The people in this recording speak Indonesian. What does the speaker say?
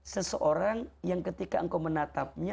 seseorang yang ketika engkau menatapnya